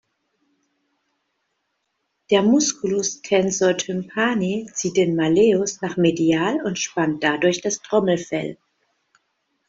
Der Musculus tensor tympani zieht den Malleus nach medial und spannt dadurch das Trommelfell.